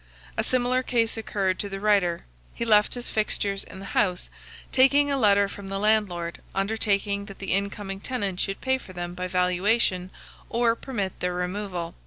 A similar case occurred to the writer: he left his fixtures in the house, taking a letter from the landlord, undertaking that the in coming tenant should pay for them by valuation, or permit their removal.